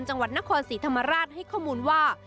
จังหวัดนครศรีธรรมราชให้ข้อมูลว่า